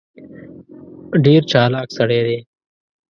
ډېر چالاک سړی دی.